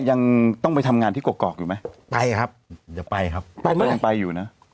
ยังต้องไปทำงานที่กรอกกอกอยู่ไหมไปครับอย่าไปครับไปไหมก็ยังไปอยู่นะ